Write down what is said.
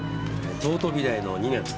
東都美大の２年。